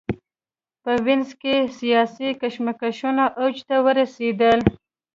په وینز کې سیاسي کشمکشونه اوج ته ورسېدل.